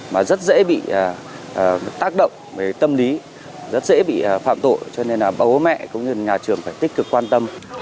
mà rất dễ bị tác động về tâm lý rất dễ bị phạm tội cho nên là bà bố mẹ cũng như nhà trường phải tích cực quan tâm